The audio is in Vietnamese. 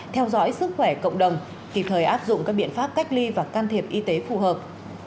theo dõi sức khỏe cộng đồng kịp thời áp dụng các biện pháp cách ly và can thiệp y tế phù hợp